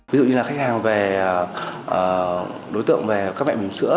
ví dụ như là khách hàng về đối tượng về các mẹ bình sữa